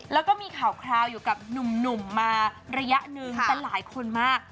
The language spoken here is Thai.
แล้วก็มีข่าวคราวอยู่กับหนุ่มมาระยะหนึ่งแต่หลายคนมาก